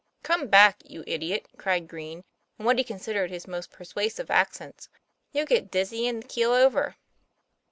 "Come back, you idiot," cried Green, in what he considered his most persuasive accents, "you'll get dizzy and keel over."